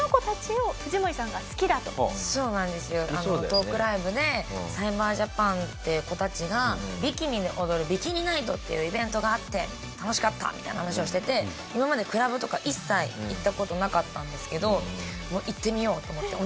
トークライブで「ＣＹＢＥＲＪＡＰＡＮっていう子たちがビキニで踊るビキニナイトっていうイベントがあって楽しかった」みたいな話をしてて今までクラブとか一切行った事なかったんですけど行ってみようと思って。